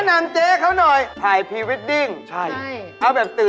นำเจ๊เขาหน่อยถ่ายพรีเวดดิ้งใช่เอาแบบตื่น